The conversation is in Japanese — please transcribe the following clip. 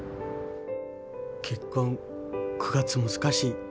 結婚９月難しい。